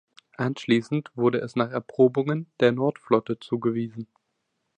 Anschließend wurde es nach Erprobungen der Nordflotte zugewiesen.